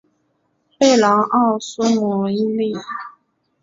贝朗奥苏普伊利。